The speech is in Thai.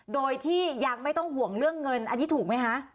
โดยที่ยังไม่ต้องห่วงเรื่องเงินอันนี้ถูกไหมคะ